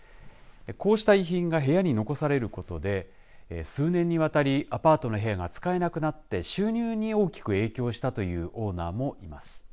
こうした遺品が部屋に残されることで数年にわたりアパートの部屋が使えなくなって収入に大きく影響したというオーナーもいます。